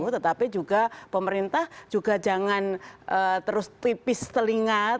tetapi juga pemerintah juga jangan terus tipis telinga